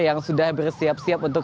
yang sudah bersiap siap untuk